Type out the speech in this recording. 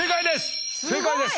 正解です。